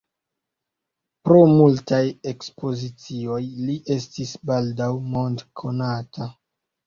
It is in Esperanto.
Pro multaj ekspozicioj li estis baldaŭ mondkonata.